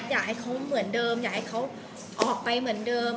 อยากให้เขาเหมือนเดิมอยากให้เขาออกไปเหมือนเดิม